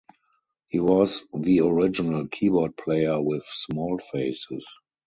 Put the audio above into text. He was the original keyboard player with Small Faces.